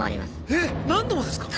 えっ何度もですか？